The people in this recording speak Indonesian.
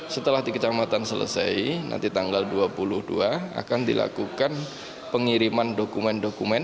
setelah di kecamatan selesai nanti tanggal dua puluh dua akan dilakukan pengiriman dokumen dokumen